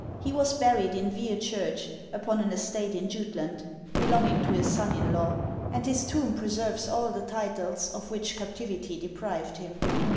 He was buried in Veer Church, upon an estate in Jutland belonging to his son in law, and his tomb preserves all the titles of which captivity deprived him.